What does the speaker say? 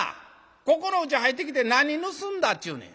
ここのうち入ってきて何盗んだっちゅうねん。